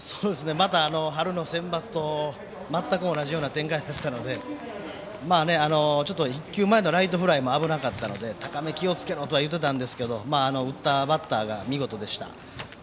また、春のセンバツと全く同じような展開になったので１球前のライトフライも危なかったので言っていたんですけども打ったバッターが見事でした。